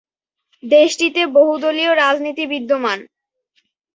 দেশটিতে বহুদলীয় রাজনীতি বিদ্যমান।